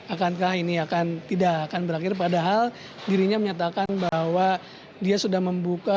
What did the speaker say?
akankah ini akan tidak akan berakhir padahal dirinya menyatakan bahwa dia sudah membuka